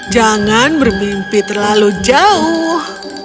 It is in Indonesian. jangan bermimpi terlalu jauh